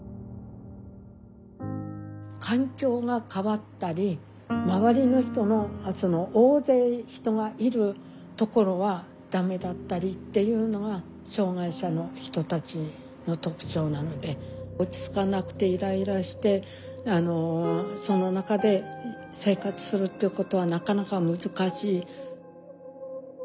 環境が変わったり周りの人のその大勢人がいるところは駄目だったりっていうのが障害者の人たちの特徴なので落ち着かなくていらいらしてその中で生活するっていうことはなかなか難しい。